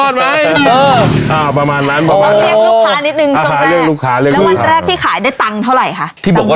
แล้ววันแรกที่ขายได้ตังค์เท่าไรคะ